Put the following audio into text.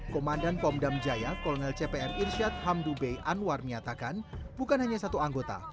komandan pondam jaya kolonel cpm irsyad hamdu bey anwar menyatakan bukan hanya satu anggota